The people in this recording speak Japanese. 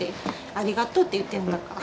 ありがとうって言ってんだから。